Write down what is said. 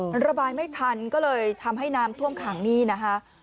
มันระบายไม่ทันก็เลยทำให้น้ำท่วมขังนี่นะคะ